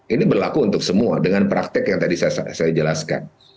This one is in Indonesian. ini berlaku untuk semua dengan praktek yang tadi saya jelaskan